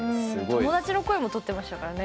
友達の声もとってましたからね。